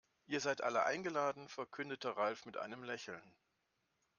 Ihr seid alle eingeladen, verkündete Ralf mit einem Lächeln.